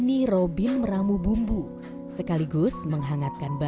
dia bisa semakin nyaman